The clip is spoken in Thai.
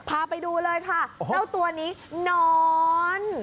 พาไปดูเลยค่ะเจ้าตัวนี้นอน